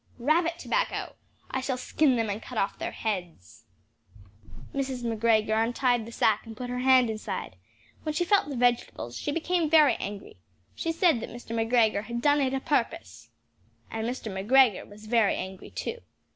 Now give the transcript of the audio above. "Rabbit tobacco! I shall skin them and cut off their heads." Mrs. McGregor untied the sack and put her hand inside. When she felt the vegetables she became very very angry. She said that Mr. McGregor had "done it a purpose." And Mr. McGregor was very angry too.